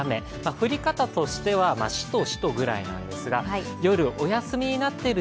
降り方としては、しとしとぐらいなんですが夜お休みになっている